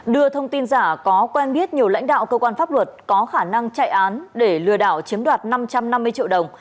đưa thông tin giả có quen biết nhiều lãnh đạo cơ quan pháp luật có khả năng chạy án để lừa đảo chiếm đoạt năm trăm năm mươi triệu đồng